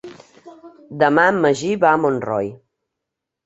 Demà en Magí va a Montroi.